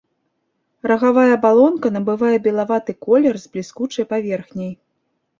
Рагавая абалонка набывае белаваты колер з бліскучай паверхняй.